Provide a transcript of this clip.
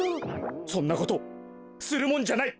そんなことするもんじゃない！